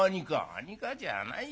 「何かじゃないよ。